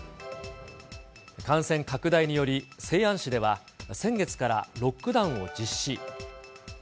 感染拡大により、西安市では先月からロックダウンを実施。